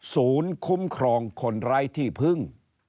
ศูนย์คุ้มครองคนไร้ที่พึ่ง